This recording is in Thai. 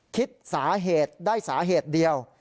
คิดสาเหตุได้สาเหตุเดียว